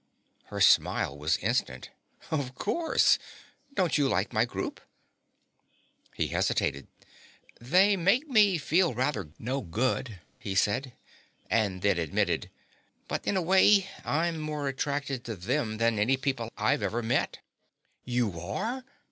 Her smile was instant. "Of course. Don't you like my group?" He hesitated. "They make me feel rather no good," he said, and then admitted, "but in a way I'm more attracted to them than any people I've ever met." "You are?"